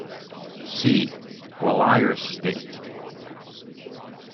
"See: Gwalior state"